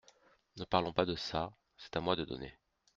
Ne parlons pas de ça… c’est à moi de donner…